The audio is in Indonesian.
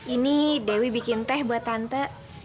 ini dewi bikin teh buat tante